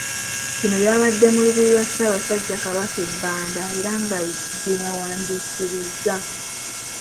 Bino byabadde mu Lubiri lwa Ssaabasajja Kabaka e Banda era nga gye yewandisiriza.